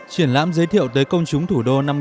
triển lãm giới thiệu tới công chúng thủ đô